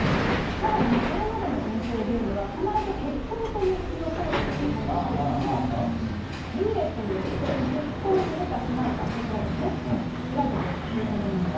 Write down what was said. さらにこれまでの人生ゲームは、必ず結婚という道を通ってたと思うんですけれども、ルーレットによって、結婚するかしないか、こちらですね、選ぶということなんです。